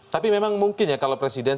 tapi memang mungkin ya kalau presiden